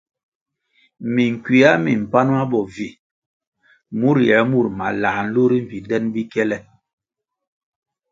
Minkywia mi mpan ma bo vi mur yier mur malãh nlu ri mbpi den bikiele.